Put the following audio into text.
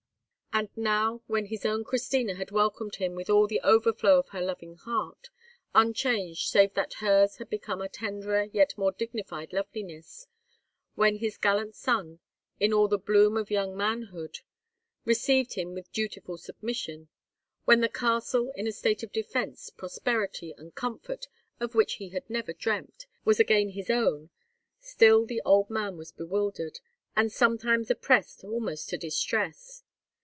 And now, when his own Christina had welcomed him with all the overflow of her loving heart, unchanged save that hers had become a tenderer yet more dignified loveliness; when his gallant son, in all the bloom of young manhood, received him with dutiful submission; when the castle, in a state of defence, prosperity, and comfort of which he had never dreamt, was again his own;—still the old man was bewildered, and sometimes oppressed almost to distress.